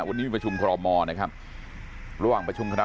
วันนี้มีประชุมคอรมอนะครับระหว่างประชุมคณะ